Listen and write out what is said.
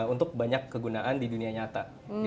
untuk banyak kegunaan di dunia nyata